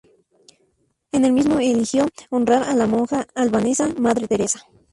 En el mismo eligió honrar a la monja albanesa Madre Teresa.